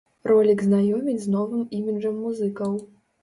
Ролік знаёміць з новым іміджам музыкаў.